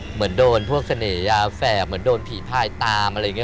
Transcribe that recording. เหมือนโดนพวกเสน่หยาแฝกเหมือนโดนผีพายตามอะไรอย่างนี้